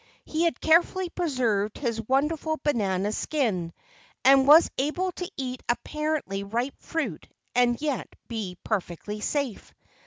He had carefully preserved his wonder¬ ful banana skin, and was able to eat apparently ripe fruit and yet be perfectly safe.